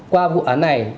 qua vụ án này